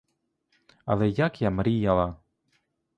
Але як я мріяла!